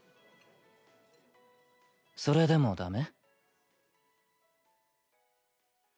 それでもダメ？